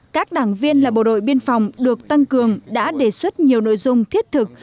các đảng viên là bộ đội biên phòng được tăng cường đã đề xuất nhiều nội dung thiết thực